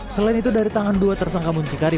selain itu dari tangan dua tersangka muncikari